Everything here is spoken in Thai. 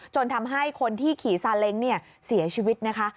จนทำให้คนที่ขี่ซาเล้งเสียชีวิตนะคะ